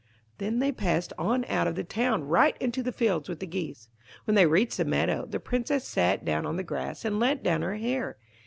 Then they passed on out of the town, right into the fields, with the geese. When they reached the meadow, the Princess sat down on the grass and let down her hair.